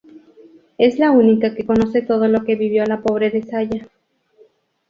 Es la única que conoce todo lo que vivió la pobre de Saya.